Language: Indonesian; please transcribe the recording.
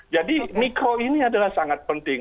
jadi mikro ini adalah sangat penting